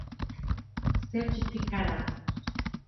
certificará